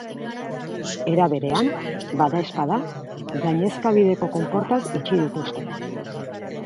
Era berean, badaezpada gainezkabideko konportak itxi dituzte.